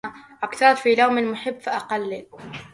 أكثرت في لوم المحب فأقلل